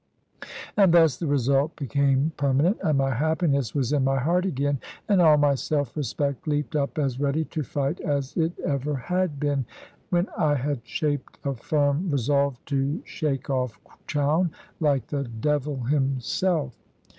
And thus the result became permanent, and my happiness was in my heart again, and all my self respect leaped up as ready to fight as it ever had been, when I had shaped a firm resolve to shake off Chowne, like the devil himself.